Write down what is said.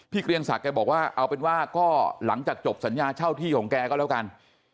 เกรียงศักดิ์บอกว่าเอาเป็นว่าก็หลังจากจบสัญญาเช่าที่ของแกก็แล้วกัน